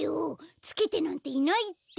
つけてなんていないって！